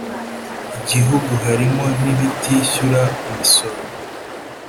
gihugu harimo n ibitishyura imisoro